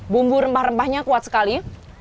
bumbu rempah rempahnya kuat sekali ya